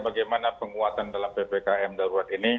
bagaimana penguatan dalam ppkm darurat ini